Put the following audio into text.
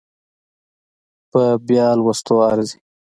په بيا لوستو ارزي